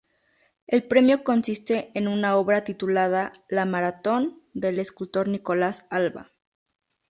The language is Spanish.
El premio consiste en una obra titulada "La maratón", del escultor Nicolás Alba.